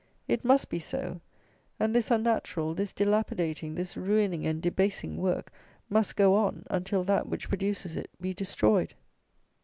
It must be so; and this unnatural, this dilapidating, this ruining and debasing work must go on, until that which produces it be destroyed.